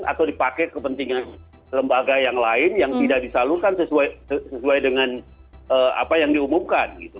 atau dipakai kepentingan lembaga yang lain yang tidak disalurkan sesuai dengan apa yang diumumkan gitu